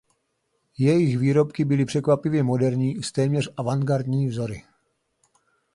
Jejich výrobky byly překvapivě moderní s téměř avantgardní vzory.